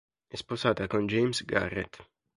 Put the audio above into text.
È sposata con James Garrett.